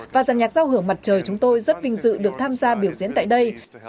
và giàn nhạc giao hưởng mặt trời chúng tôi rất vinh dự được tham gia biểu diễn tại đây